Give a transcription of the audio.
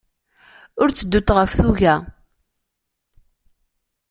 Ur tteddut ɣef tuga.